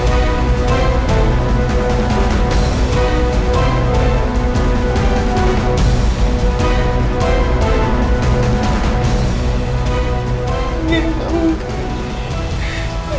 ini gak mungkin